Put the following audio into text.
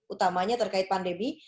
utamanya terkait pandemi